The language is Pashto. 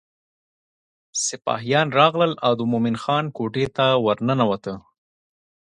سپاهیان راغلل او د مومن خان کوټې ته ورننوته.